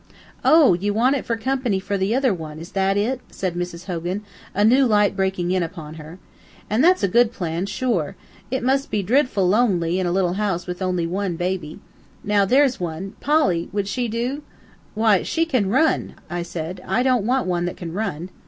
"Oh, ye want it fer coompany for the ither one, is that it?" said Mrs. Hogan, a new light breaking in upon her. "An' that's a good plan, sure. It must be dridful lownly in a house wid ownly wan baby. Now there's one Polly would she do?" "Why, she can run," I said. "I don't want one that can run."